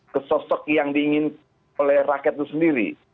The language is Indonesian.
ke sosok yang diingin oleh rakyat itu sendiri